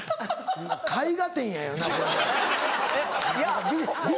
絵画展やよなこれもう。